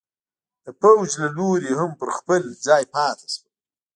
د پوځ له لوري هم پر خپل ځای پاتې شول.